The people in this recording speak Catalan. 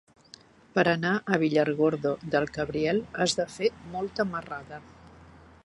Per anar a Villargordo del Cabriel has de fer molta marrada.